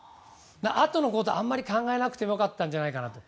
あとのことあまり考えなくても良かったんじゃないかと。